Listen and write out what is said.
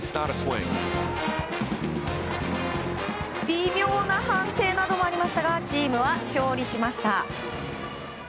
微妙な判定などもありましたがチームは勝利しました。